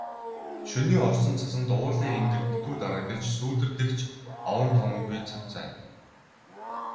Шөнийн орсон цасанд уулын энгэр битүү дарагдаж, сүүдэртэх ч овон товонгүй цавцайна.